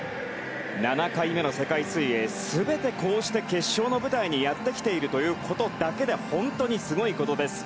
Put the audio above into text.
７回目の世界水泳全てこうして決勝の舞台にやってきているということだけで本当にすごいことです。